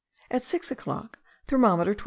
At six o'clock, thermometer 20.